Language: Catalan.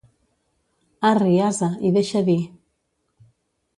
Arri, ase, i deixa dir.